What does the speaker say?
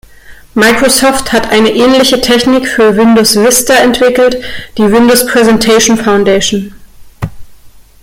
Microsoft hat eine ähnliche Technik für Windows Vista entwickelt, die Windows Presentation Foundation.